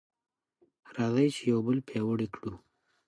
راځئ چې یو بل پیاوړي کړو.